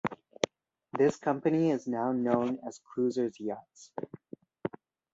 This company is now known as Cruisers Yachts.